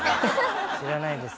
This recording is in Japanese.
知らないです